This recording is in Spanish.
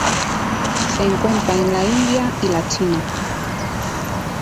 Se encuentra en la India y la China.